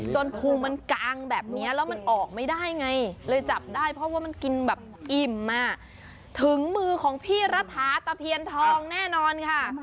พุงมันกางแบบนี้แล้วมันออกไม่ได้ไงเลยจับได้เพราะว่ามันกินแบบอิ่มอ่ะถึงมือของพี่รัฐาตะเพียนทองแน่นอนค่ะ